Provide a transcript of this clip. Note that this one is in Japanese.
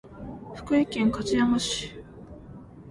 福井県勝山市